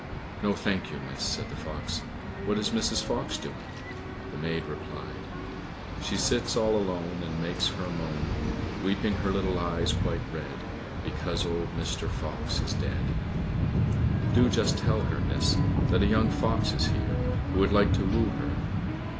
"No, thank you, miss," said the fox, "what is Mrs. Fox doing?" The maid replied, "She sits all alone, And makes her moan, Weeping her little eyes quite red, Because old Mr. Fox is dead." "Do just tell her, miss, that a young fox is here, who would like to woo her."